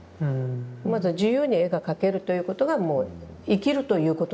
自由に絵が描けるということがもう生きるということなんですよ。